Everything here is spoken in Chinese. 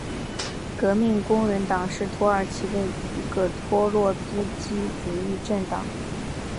革命工人党是土耳其的一个托洛茨基主义政党。